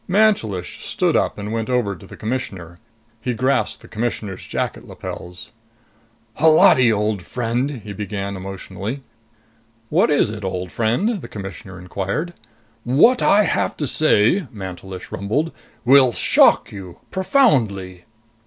Mantelish stood up and went over to the Commissioner. He grasped the Commissioner's jacket lapels. "Holati, old friend!" he began emotionally. "What is it, old friend?" the Commissioner inquired. "What I have to say," Mantelish rumbled, "will shock you. Profoundly."